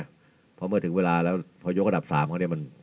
เพราะเมื่อถึงเวลาแล้วพอยกระดับ๓เขาเนี่ยมัน